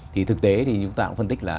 thì thực tế thì chúng ta cũng phân tích là